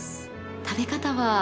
食べ方は？